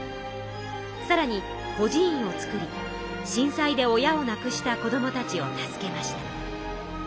さらに孤児院を作り震災で親をなくした子どもたちを助けました。